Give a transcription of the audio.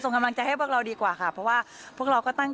กำลังใจให้พวกเราดีกว่าค่ะเพราะว่าพวกเราก็ตั้ง